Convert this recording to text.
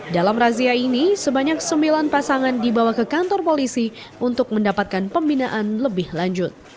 dalam razia ini sebanyak sembilan pasangan dibawa ke kantor polisi untuk mendapatkan pembinaan lebih lanjut